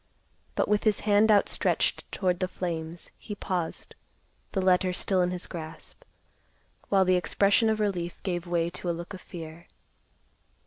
But with his hand outstretched toward the flames, he paused, the letter still in his grasp, while the expression of relief gave way to a look of fear.